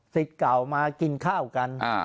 เก่ามากินข้าวกัน